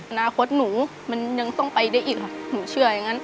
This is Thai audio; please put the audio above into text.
อนาคตหนูมันยังต้องไปได้อีกค่ะหนูเชื่ออย่างนั้น